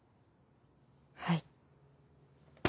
はい。